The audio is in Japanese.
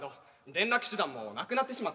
連絡手段もなくなってしまったし。